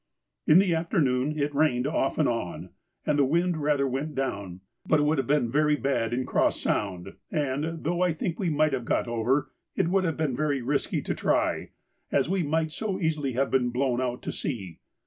In the afternoon it rained off and on, and the wind rather went down, but it would have been very bad in Cross Sound, and, though I think we might have got over, it would have been very risky to try, as we might so easily have been blown out to sea.